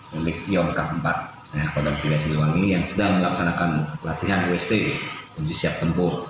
milik iom k empat kodam tiga siliwangi yang sedang melaksanakan latihan ust uji siap tempur